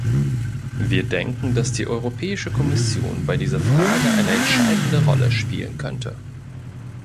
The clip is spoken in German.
Wir denken, dass die Europäische Kommission bei dieser Frage eine entscheidende Rolle spielen könnte.